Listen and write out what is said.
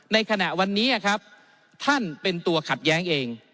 ในขณะวันนี้ครับท่านเป็นตัวขัดแย้งเอง